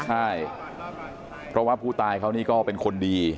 ใช่เพราะว่าผู้ตายเขานี่ก็เป็นคนดี